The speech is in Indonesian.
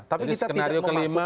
tapi kita tidak memasukkan